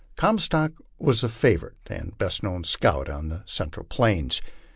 Comstock was the favorite and best known scout on the cen tral plains.